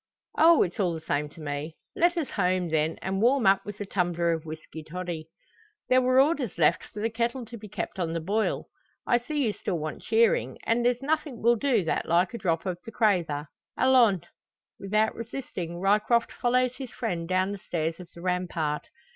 "Oh! it's all the same to me. Let us home, then, and warm up with a tumbler of whisky toddy. There were orders left for the kettle to be kept on the boil. I see you still want cheering, and there's nothing will do that like a drop of the crather. Allons!" Without resisting, Ryecroft follows his friend down the stairs of the rampart.